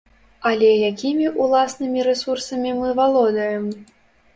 Але якімі ўласнымі рэсурсамі мы валодаем?